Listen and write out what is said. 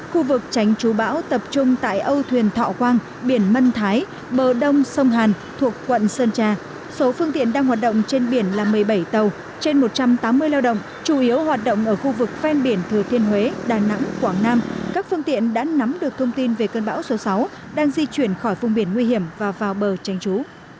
khu vực tránh trú bão tập trung tại âu thuyền thọ quang biển mân thái bờ đông sông hàn thuộc quận sơn tra số phương tiện đang hoạt động trên biển là một mươi bảy tàu trên một trăm tám mươi lao động chủ yếu hoạt động ở khu vực phen biển thừa thiên huế đà nẵng quảng nam các phương tiện đã nắm được thông tin về cơn bão số sáu đang di chuyển khỏi vùng biển nguy hiểm và vào bờ tránh trú